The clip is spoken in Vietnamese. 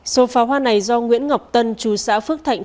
số pháo hoa này do nguyễn ngọc tân chú xã phước thạnh